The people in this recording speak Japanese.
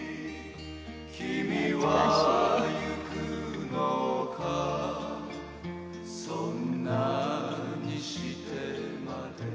「君は行くのかそんなにしてまで」